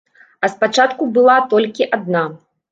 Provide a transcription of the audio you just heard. А спачатку была толькі адна.